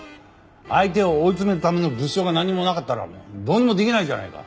相手を追い詰めるための物証が何もなかったらどうにもできないじゃないか。